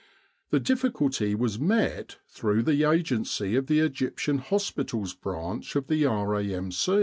The difficulty was met through the agency of the Egyptian hospitals branch of the R.A.M.